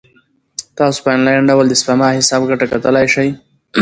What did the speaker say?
تاسو په انلاین ډول د سپما حساب ګټه کتلای شئ.